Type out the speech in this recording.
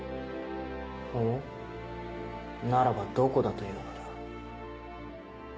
ほぉならばどこだというのだ。